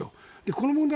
この問題